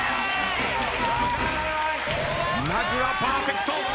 まずはパーフェクト。